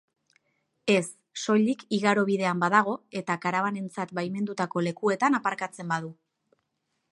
Ez, soilik igarobidean badago eta karabanentzat baimendutako lekuetan aparkatzen badu.